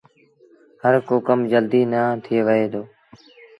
هر ڪو ڪم جلديٚ نيٚن ٿئي وهي دو۔